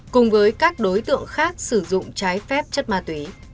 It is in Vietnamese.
cùng với các đối tượng khác sử dụng trái phép chất ma túy